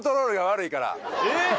・えっ！